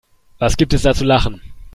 Was gibt es da zu lachen?